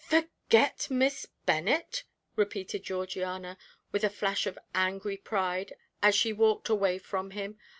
"Forget Miss Bennet?" repeated Georgiana, with a flash of angry pride, as she walked away from him.